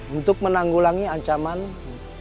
untuk menanggulangi ancaman dan ketetipan di masyarakat